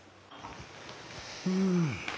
うん。